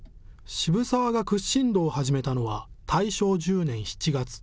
渋沢が屈伸道を始めたのは大正１０年７月。